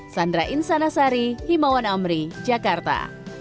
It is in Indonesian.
sandra insanasari himawan amri jakarta